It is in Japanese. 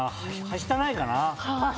はしたないかな。